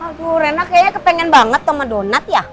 aduh rena kayaknya kepengen banget sama donat ya